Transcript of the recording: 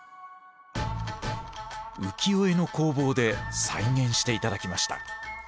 浮世絵の工房で再現して頂きました。